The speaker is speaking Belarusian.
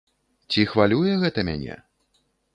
Ці хвалюе гэта мяне?